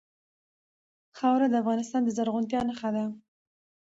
خاوره د افغانستان د زرغونتیا نښه ده.